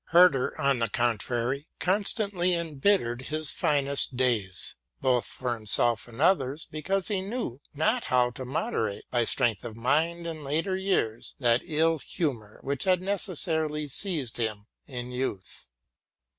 Herder, on the contrary, constantly embittered his finest days, both for himself and others, because he knew not how te moderate, by strength of mind in later years, that ill humor which had necessarily seized him in youth.